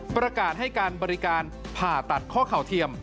ประกาศให้การบริการผ่าตัดข้อเข่าเทียม